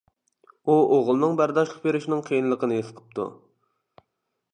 ئۇ ئوغلىنىڭ بەرداشلىق بېرىشىنىڭ قىيىنلىقىنى ھېس قىپتۇ.